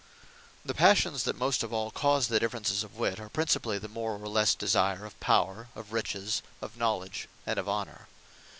The Passions that most of all cause the differences of Wit, are principally, the more or lesse Desire of Power, of Riches, of Knowledge, and of Honour.